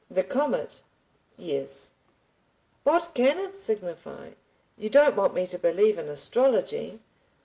"The comet?" "Yes." "What can it signify? You don't want me to believe in astrology.